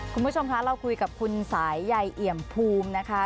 คุณผู้ชมคะเราคุยกับคุณสายใยเอี่ยมภูมินะคะ